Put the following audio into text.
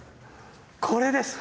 これです。